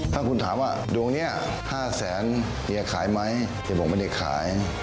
ถ้าคุณถามว่าดวงนี้๕แสนเฮียขายไหมเฮียบอกไม่ได้ขาย